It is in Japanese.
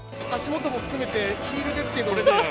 足元も含めて、ヒールですけれども。